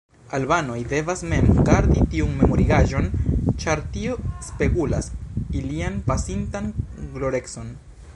Albanoj devas mem gardi tiun memorigaĵon, ĉar tio spegulas ilian pasintan glorecon.